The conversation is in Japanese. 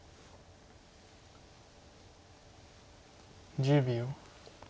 １０秒。